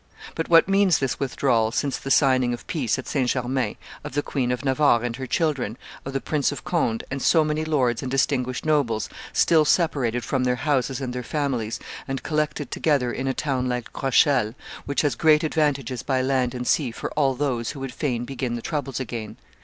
But what means this withdrawal, since the signing of peace at St. Germain, of the Queen of Navarre and her children, of the Prince of Conde, and so many lords and distinguished nobles, still separated from their houses and their families, and collected together in a town like Rochelle, which has great advantages by land and sea for all those who would fain begin the troubles again?